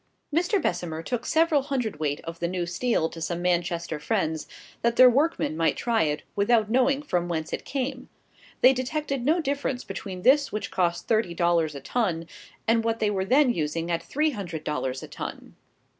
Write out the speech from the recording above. Mr. Bessemer took several hundredweight of the new steel to some Manchester friends, that their workmen might try it, without knowing from whence it came. They detected no difference between this which cost thirty dollars a ton, and what they were then using at three hundred dollars a ton.